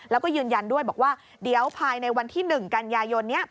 แล้วก็ยืนยันด้วยบอกว่าเดี๋ยวภายในวันที่๑กันยายนนี้